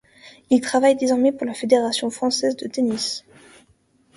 Il travaille désormais pour la Fédération Française de tennis.